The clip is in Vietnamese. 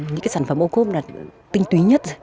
những cái sản phẩm ô cốp là tinh túy nhất